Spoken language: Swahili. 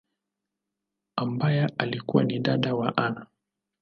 ambaye alikua ni dada wa Anna.